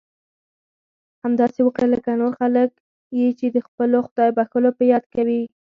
همداسې وکړه لکه نور خلک یې چې د خپلو خدای بښلو په یاد کوي.